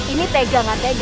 ini tega enggak tega